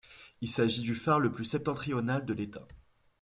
Il s'agit du phare le plus septentrional de l'état.